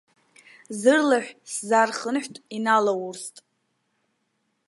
Зырлаҳә сзархынҳәт, иналаурст.